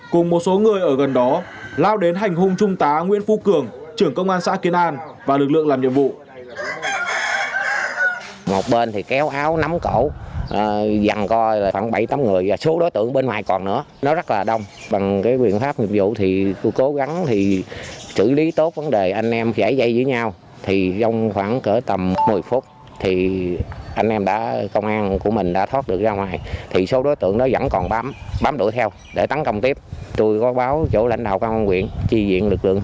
cùng một số người ở gần đó lao đến hành hung trung tá nguyễn phu cường trưởng công an xã kiến an và lực lượng làm nhiệm vụ